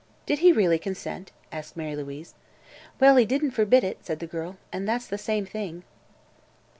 "Did he really consent?" asked Mary Louise. "Well, he didn't forbid it," said the girl, "and that's the same thing."